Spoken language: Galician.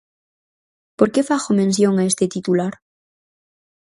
¿Por que fago mención a este titular?